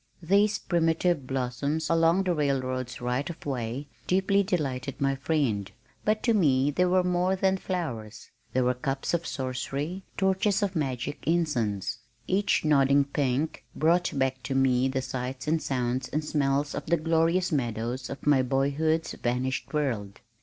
These primitive blossoms along the railroad's right of way deeply delighted my friend, but to me they were more than flowers, they were cups of sorcery, torches of magic incense. Each nodding pink brought back to me the sights and sounds and smells of the glorious meadows of my boyhood's vanished world.